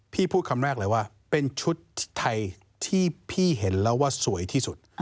พูดคำแรกเลยว่าเป็นชุดไทยที่พี่เห็นแล้วว่าสวยที่สุด